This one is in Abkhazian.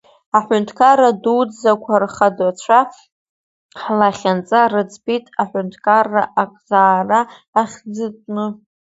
Аҳәынҭқарра дуӡӡақәа рхадацәа ҳлахьынҵа рыӡбит аҳәынҭқарра акзаара ахьӡытәны.